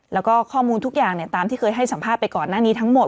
แล้วก็ข้อมูลทุกอย่างตามที่เคยให้สัมภาษณ์ไปก่อนหน้านี้ทั้งหมด